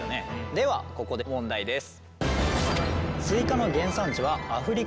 ではここで問題です。